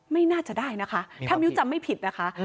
ไม่น่าจะได้นะคะถ้ามิ้วจำไม่ผิดนะคะ